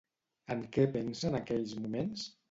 En què pensa en aquells moments?